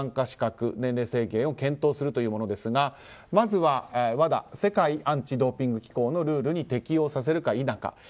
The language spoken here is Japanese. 資格年齢制限を検討するというものですがまずはＷＡＤＡ・世界反ドーピング機構のルールに適応させるか否か。